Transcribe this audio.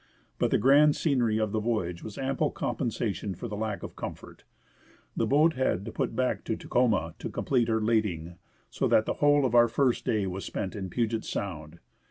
But the grand scenery of the voyage was ample compensation for lack of comfort. The boat had to put back to Tacoma to complete her lading, so that the whole of our first day was spent in Puget Sound.